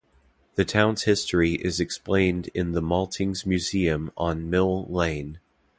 The town's history is explained in the Maltings Museum on Mill Lane.